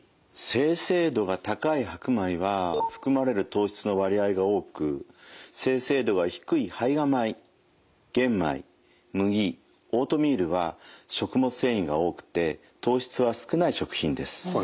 精製度が高い白米は含まれる糖質の割合が多く精製度が低い胚芽米玄米麦オートミールは食物繊維が多くて糖質は少ない食品です。